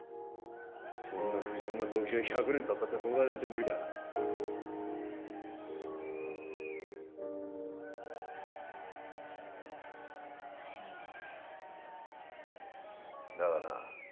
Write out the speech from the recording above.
そんな不純な動機じゃ１００年たったって東大なんて無理だだよねだがな